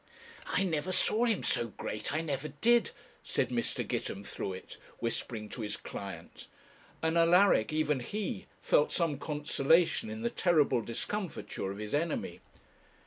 'I never saw him so great; I never did,' said Mr. Gitemthruet, whispering to his client; and Alaric, even he, felt some consolation in the terrible discomfiture of his enemy.